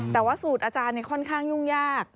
แต่ว่าสูตรอาจารย์ค่อนข้างยุ่งยาก